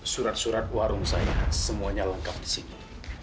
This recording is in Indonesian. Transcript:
surat surat warung saya semuanya lengkap di sini